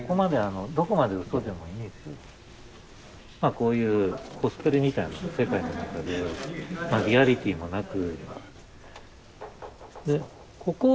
こういうコスプレみたいな世界の中でリアリティーもなく。